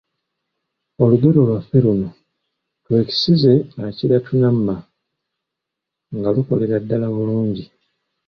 Olugero lwaffe luno; "Twekisize akira tunamma", nga lukolera ddala bulungi.